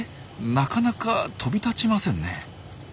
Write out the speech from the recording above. なかなか飛び立ちませんね。